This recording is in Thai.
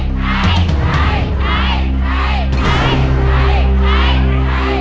ใช้